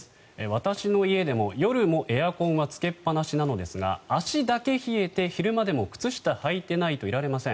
私の家でも夜もエアコンはつけっぱなしなのですが足だけ冷えて昼間でも靴下をはいていないといられません。